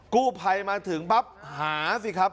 กู้ภัยมาถึงปั๊บหาสิครับ